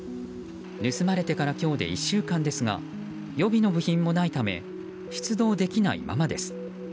盗まれてから今日で１週間ですが予備の部品もないため出動できないままです。